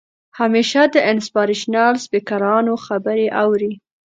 همېشه د انسپارېشنل سپيکرانو خبرې اورئ